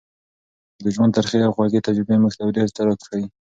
د ژوند ترخې او خوږې تجربې موږ ته ډېر څه راښيي.